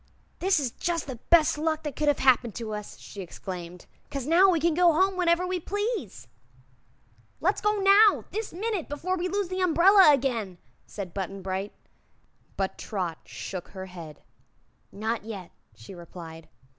"This is jus' the best luck that could have happened to us," she exclaimed, "'cause now we can go home whenever we please." "Let's go now this minute before we lose the umbrella again," said Button Bright. But Trot shook her head. "Not yet," she replied.